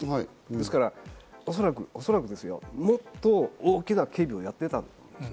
ですから、おそらくですよ、もっと大きな警備をやっていた。